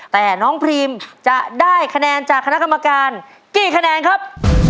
แต่น้องพรีมจะได้คะแนนจากคณะกรรมการกี่คะแนนครับ